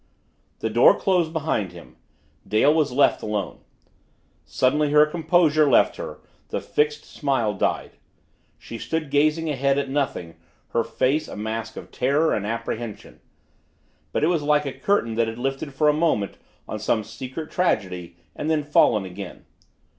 The door closed behind him Dale was left alone. Suddenly her composure left her, the fixed smile died. She stood gazing ahead at nothing, her face a mask of terror and apprehension. But it was like a curtain that had lifted for a moment on some secret tragedy and then fallen again.